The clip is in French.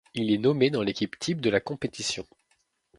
Il est nommé dans l'équipe type de la compétition.